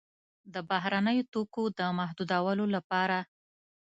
د بهرنیو توکو د محدودولو لپاره.